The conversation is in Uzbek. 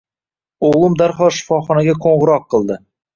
O`g`lim darhol shifoxonaga qo`ng`iroq qildi